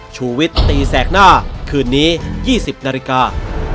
ชูวิทย์ตีแสกหน้าคืนนี้๒๐นาฬิกา